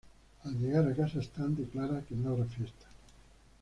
Al llegar a casa Stan declara que no habrá fiesta.